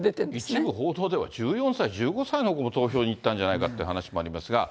一部報道では１４歳、１５歳の子も投票に行ったんじゃないかという話もありますが。